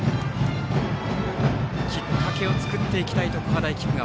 きっかけを作っていきたい常葉大菊川。